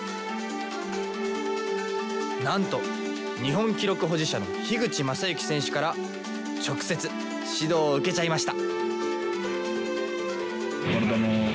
なんと日本記録保持者の口政幸選手から直接指導を受けちゃいました！